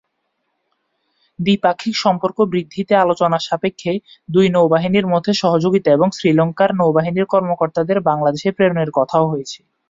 দ্বিপাক্ষিক সম্পর্ক বৃদ্ধিতে আলোচনার সাপেক্ষে, দুই নৌবাহিনীর মধ্যে সহযোগিতা এবং শ্রীলঙ্কার নৌবাহিনীর কর্মকর্তাদের বাংলাদেশে প্রেরণের কথাও হয়েছে।